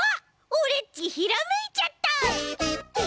オレっちひらめいちゃった！え！？